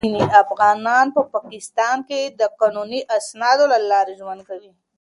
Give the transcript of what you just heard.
ځینې افغانان په پاکستان کې د قانوني اسنادو له لارې ژوند کوي.